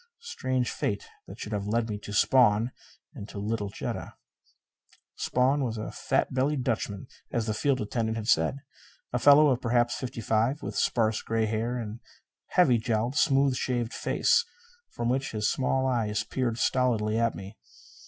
Strange fate that should have led me to Spawn! And to little Jetta! Spawn was a fat bellied Dutchman, as the field attendant had said. A fellow of perhaps fifty five, with sparse gray hair and a heavy jowled, smooth shaved face from which his small eyes peered stolidly at me.